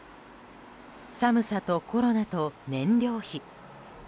寒さとコロナと燃料費。